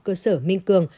cơ sở minh cường